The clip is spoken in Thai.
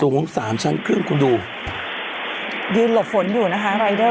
สามชั้นครึ่งคุณดูยืนหลบฝนอยู่นะคะรายเดอร์